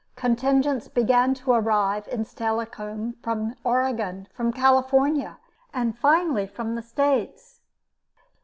Contingents began to arrive in Steilacoom from Oregon, from California, and finally from "the States."